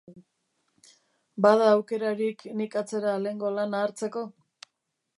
Bada aukerarik nik atzera lehengo lana hartzeko?